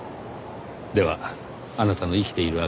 ではあなたの生きている